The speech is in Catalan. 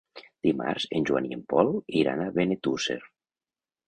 Dimarts en Joan i en Pol iran a Benetússer.